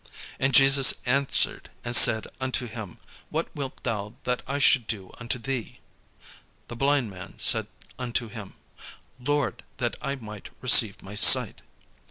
And Jesus answered and said unto him, "What wilt thou that I should do unto thee?" The blind man said unto him, "Lord, that I might receive my sight."